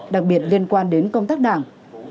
đặc biệt liên quan đến công tác đảng